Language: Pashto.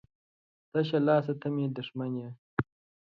تشه لاسه ته مې دښمن یې